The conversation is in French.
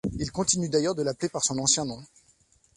Il continue d'ailleurs de l'appeler par son ancien nom.